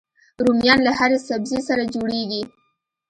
رومیان له هرې سبزي سره جوړيږي